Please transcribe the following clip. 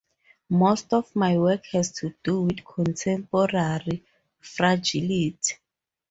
Most of my work has to do with contemporary fragility.